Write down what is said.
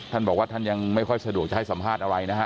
ท่านบอกว่าท่านยังไม่ค่อยสะดวกจะให้สัมภาษณ์อะไรนะฮะ